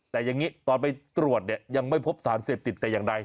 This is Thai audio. แต่อย่างนี้ตอนไปตรวจเนี่ยยังไม่พบสารเสพติดแต่อย่างใด